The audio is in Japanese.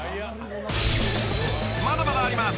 ［まだまだあります。